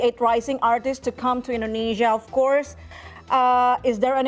apakah ada rencana untuk datang ke indonesia tahun ini atau mungkin tahun depan